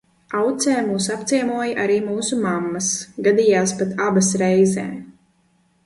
Aucē mūs apciemoja arī mūsu mammas, gadījās pat abas reizē.